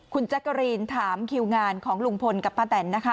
คุณแจ๊กกะรีนถามคิวงานของลุงพลกับป้าแตนนะคะ